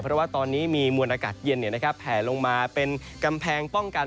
เพราะว่าตอนนี้มีมวลอากาศเย็นแผ่ลงมาเป็นกำแพงป้องกัน